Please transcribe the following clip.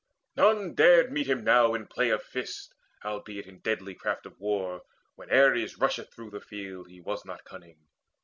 None dared meet him now In play of fists, albeit in deadly craft Of war, when Ares rusheth through the field, He was not cunning.